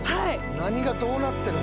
何がどうなってるん？